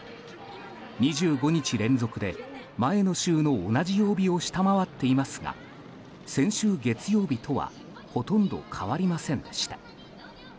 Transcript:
２５日連続で前の週の同じ曜日を下回っていますが先週月曜日とはほとんど変わりませんでした。